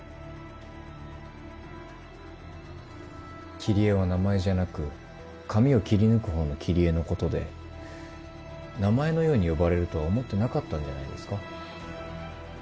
「キリエ」は名前じゃなく紙を切り抜く方の「切り絵」のことで名前のように呼ばれるとは思ってなかったんじゃないですか。